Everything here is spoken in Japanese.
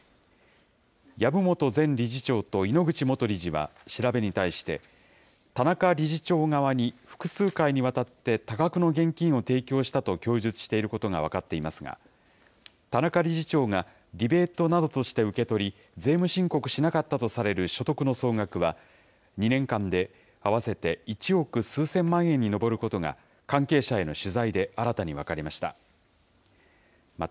籔本前理事長と井ノ口元理事は調べに対して、田中理事長側に複数回にわたって、多額の現金を提供したと供述していることが分かっていますが、田中理事長がリベートなどとして受け取り、税務申告しなかったとされる所得の総額は、２年間で合わせて一億数千万円に上ることが、関係者への取材で新たに分かりました。